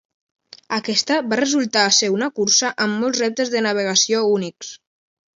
Aquesta va resultar ser una cursa amb molts reptes de navegació únics.